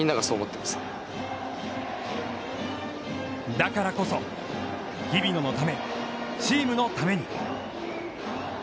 だからこそ日比野のため、チームのために。